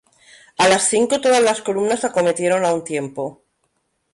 A las cinco todas las columnas acometieron a un tiempo.